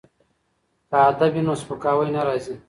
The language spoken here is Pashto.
که ادب وي نو سپکاوی نه راځي.